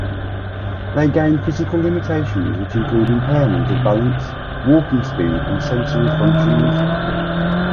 They gain physical limitations which include impairment of balance, walking speed and sensory functions.